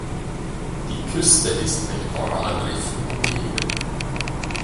Die Küste ist mit Korallenriffen umgeben.